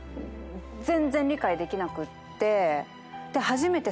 全然理解できなくって。